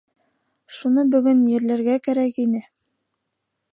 Шуны бөгөн ерләргә кәрәк ине.